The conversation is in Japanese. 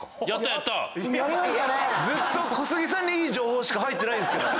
ずっと小杉さんにいい情報しか入ってないんですけど。